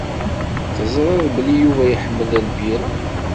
Teẓriḍ belli Yuba iḥemmel lbirra.